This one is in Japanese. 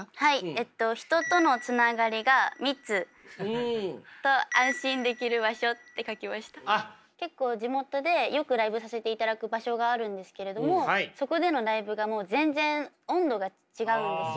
えっと結構地元でよくライブさせていただく場所があるんですけれどもそこでのライブがもう全然温度が違うんですよ。